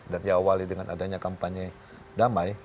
dan ya awalnya dengan adanya kampanye damai